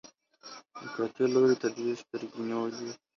د قاتل لوري ته دوې سترگي نیولي-